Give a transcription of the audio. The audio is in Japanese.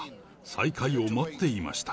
再開を待っていました。